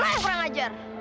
siapa yang kurang ajar